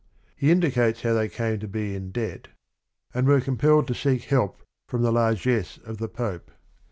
He indicates how they came to be in debt and were compelled to seek help from the largess of the Pope.